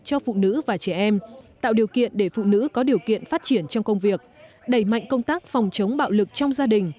cho phụ nữ và trẻ em tạo điều kiện để phụ nữ có điều kiện phát triển trong công việc đẩy mạnh công tác phòng chống bạo lực trong gia đình